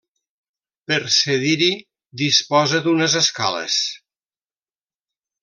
Per cedir-hi disposa d'unes escales.